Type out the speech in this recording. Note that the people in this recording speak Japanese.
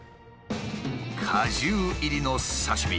果汁入りの刺身